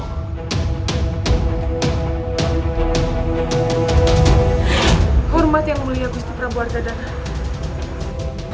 hormat yang mulia agusti prabu artadhana